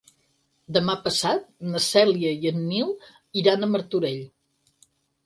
Demà passat na Cèlia i en Nil iran a Martorell.